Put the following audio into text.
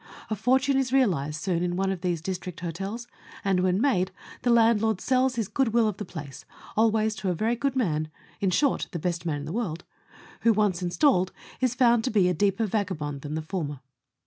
A fortune is realized soon in one of these district hotels; and, when made, the landlord sells his good will of the place, always to a very good man in short the best man in the world who, once installed, is soon found to be a deeper vagabond than the former.